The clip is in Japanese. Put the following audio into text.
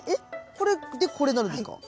これでこれになるんですか。